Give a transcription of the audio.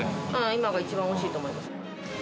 今が一番おいしいと思う。